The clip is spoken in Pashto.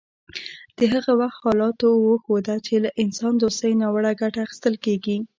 د هغه وخت حالاتو وښوده چې له انسان دوستۍ ناوړه ګټه اخیستل کیږي